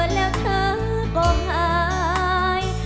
แล้วเธอก็หาย